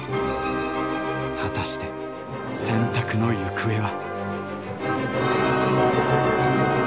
果たして「選択」の行方は。